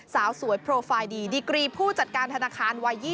สาวสวยโปรไฟล์ดีดิกรีผู้จัดการธนาคารวัย๒๐